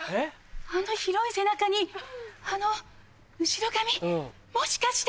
あの広い背中にあの後ろ髪もしかして！